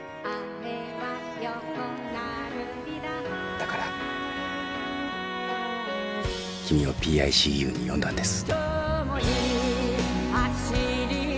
だから君をＰＩＣＵに呼んだんです。